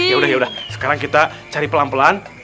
yaudah yaudah sekarang kita cari pelan pelan